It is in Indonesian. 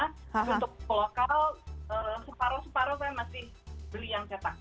untuk lokal separoh separoh saya masih beli yang cetak